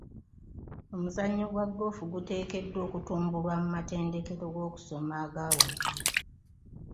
Omuzannyo gwa ggoofu guteekeddwa okutumbulwa mu matendekero g'okusoma aga waggulu.